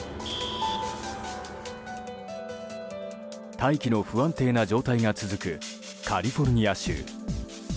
大気の不安定な状態が続くカリフォルニア州。